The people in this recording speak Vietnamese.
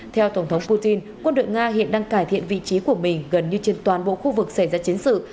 theo tổng thống putin quân đội nga hiện đang cải thiện vị trí của mình gần như trên toàn bộ khu vực xảy ra chiến sự